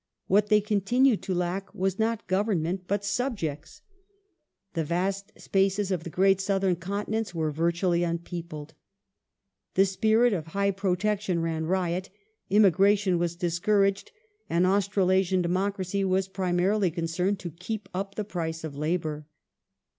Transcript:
What they continued to lack was not government but subjects. The vast spaces of the great southern continents were virtually unpeopled.^ The spirit of high protection ran riot ; immigration was discouraged, and Australasian democracy was primarily con cerned to keep up the price of labour.